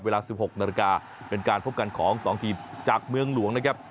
เวลา๑๖นาฬิกาเป็นการพบกันของ๒ทีมจากเมืองหลวงนะครับ